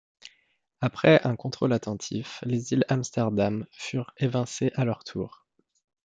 Après un contrôle attentif, les îles Amsterdam furent évincées à leur tour.